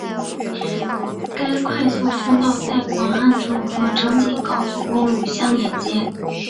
该快速通道在广汉处和成绵高速公路相连接。